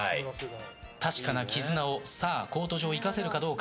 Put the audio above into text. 確かな絆をコート上で生かせるかどうか。